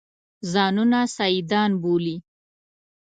ځانونه سیدان بولي.